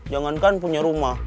jangankan punya rumah